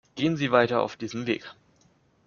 Gehen Sie weiter auf diesem Weg.